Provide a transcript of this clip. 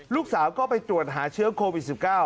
ลูกสาวก็ไปตรวจหาเชื้อโควิด๑๙